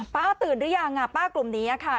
ป้าตื่นหรือยังป้ากลุ่มนี้ค่ะ